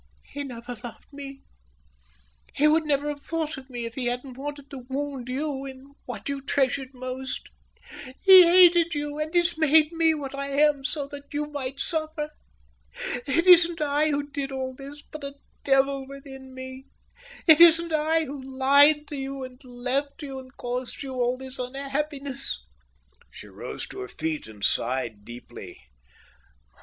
"He never loved me, he would never have thought of me if he hadn't wanted to wound you in what you treasured most. He hated you, and he's made me what I am so that you might suffer. It isn't I who did all this, but a devil within me; it isn't I who lied to you and left you and caused you all this unhappiness." She rose to her feet and sighed deeply.